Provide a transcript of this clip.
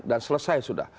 dan selesai sudah